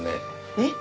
えっ？